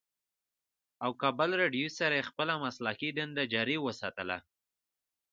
او کابل رېډيو سره ئې خپله مسلکي دنده جاري اوساتله